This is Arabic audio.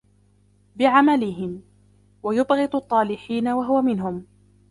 بِعَمَلِهِمْ ، وَيُبْغِضُ الطَّالِحِينَ وَهُوَ مِنْهُمْ